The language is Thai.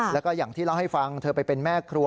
แล้วก็อย่างที่เล่าให้ฟังเธอไปเป็นแม่ครัว